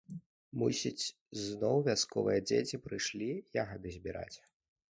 Мусіць, зноў вясковыя дзеці прыйшлі ягады збіраць.